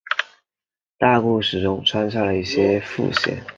大故事中穿插了一些副线。